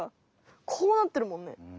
こうなってるもんね。